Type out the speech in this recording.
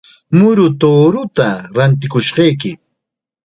Muru tuuruuta rantikushayki.